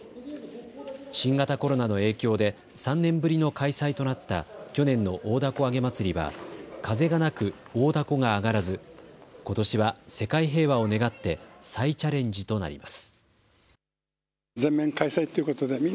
新型コロナの影響で３年ぶりの開催となった去年の大凧あげ祭りは風がなく大だこが揚がらずことしは世界平和を願って再チャレンジとなります。